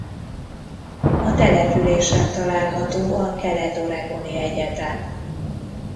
A településen található a Kelet-oregoni Egyetem.